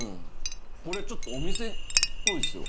これちょっとお店っぽいっすよ。